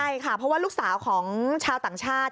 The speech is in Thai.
ใช่ค่ะเพราะว่าลูกสาวของชาวต่างชาติ